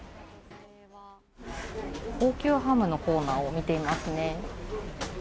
高級ハムのコーナーを見ていますね。